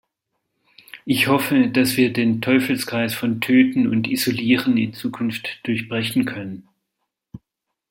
Ich hoffe, dass wir den Teufelskreis von Töten und Isolieren in Zukunft durchbrechen können.